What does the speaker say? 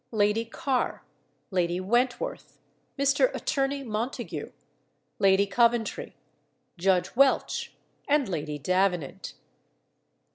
Lady Carr, Lady Wentworth, Mr. Attorney Montagu, Lady Coventry, Judge Welch, and Lady Davenant.